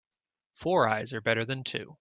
Four eyes are better than two.